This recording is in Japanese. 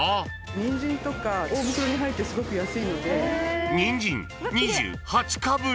ニンジンとか大袋に入ってすごく安いので。